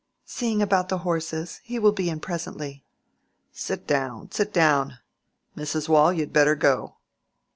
"Seeing about the horses. He will be in presently." "Sit down, sit down. Mrs. Waule, you'd better go."